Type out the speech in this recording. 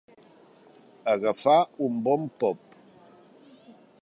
Agafar un bon pop.